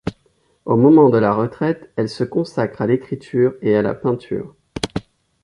Au moment de la retraite, elle se consacre à l’écriture et à la peinture.